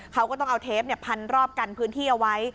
เขาก็ต้องเอาเทปพันรอบกันพื้นที่เอาไว้